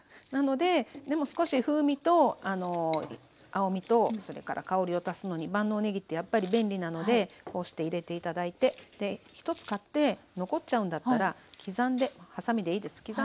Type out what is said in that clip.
なのででも少し風味と青みとそれから香りを足すのに万能ねぎってやっぱり便利なのでこうして入れて頂いてで１つ買って残っちゃうんだったらはさみでいいです